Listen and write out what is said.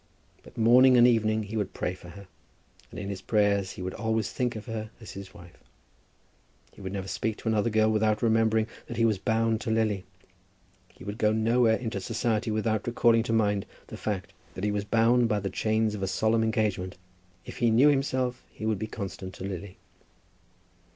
But morning and evening he would pray for her, and in his prayers he would always think of her as his wife. He would never speak to another girl without remembering that he was bound to Lily. He would go nowhere into society without recalling to mind the fact that he was bound by the chains of a solemn engagement. If he knew himself he would be constant to Lily.